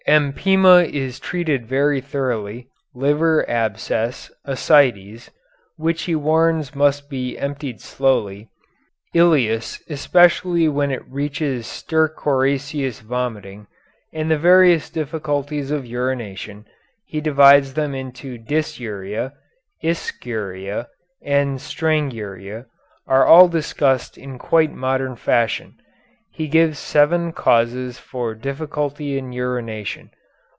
Empyema is treated very thoroughly, liver abscess, ascites, which he warns must be emptied slowly, ileus especially when it reaches stercoraceous vomiting, and the various difficulties of urination, he divides them into dysuria, ischuria, and stranguria, are all discussed in quite modern fashion. He gives seven causes for difficulty of urination.